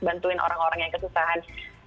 bantuin orang orang yang kesusahan